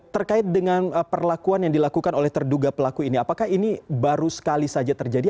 terkait dengan perlakuan yang dilakukan oleh terduga pelaku ini apakah ini baru sekali saja terjadi